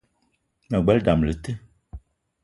Me gbelé dam le te